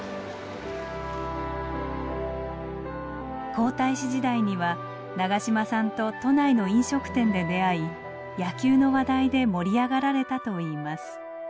皇太子時代には長嶋さんと都内の飲食店で出会い野球の話題で盛り上がられたといいます。